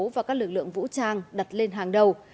và các lực lượng vũ trang đặt lên hàng đầu